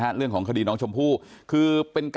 ตำรวจบอกว่าภายในสัปดาห์เนี้ยจะรู้ผลของเครื่องจับเท็จนะคะ